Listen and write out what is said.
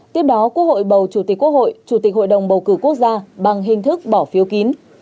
tiếp đó quốc hội bầu chủ tịch quốc hội chủ tịch hội đồng bầu cử quốc gia bằng hình thức bỏ phiếu kín